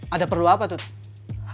ada perlu apa tuh